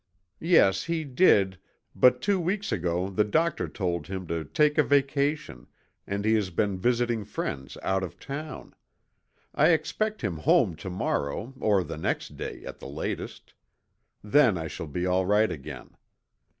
"Yes, he did, but two weeks ago the doctor told him to take a vacation and he has been visiting friends out of town. I expect him home to morrow or the next day at the latest. Then I shall be all right again."